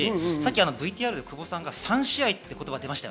ＶＴＲで久保さんが３試合と言ってました。